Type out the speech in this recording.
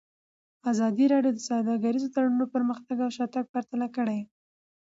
ازادي راډیو د سوداګریز تړونونه پرمختګ او شاتګ پرتله کړی.